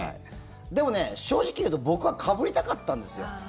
でもね、正直言うと僕は、かぶりたかったんですよ。